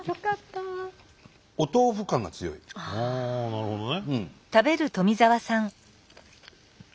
なるほどね。